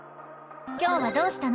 今日はどうしたの？